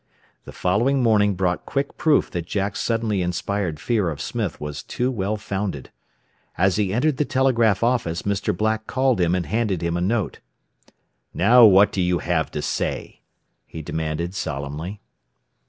The following morning brought quick proof that Jack's suddenly inspired fear of Smith was too well founded. As he entered the telegraph office Mr. Black called him and handed him a note. "Now what have you to say?" he demanded solemnly.